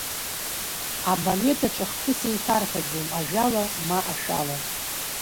Абалетаҿ ахҭыс еиҭарҳәаӡам ажәала, ма ашәала.